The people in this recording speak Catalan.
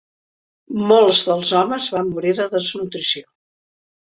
Molts dels homes van morir de desnutrició.